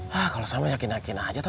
hah kalo sama yakin yakin aja tom